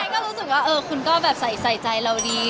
ก็รู้สึกว่าคุณก็แบบใส่ใจเราดี